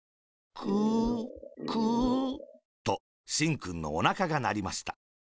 「クー、クー。」と、しんくんのおなかがなりました。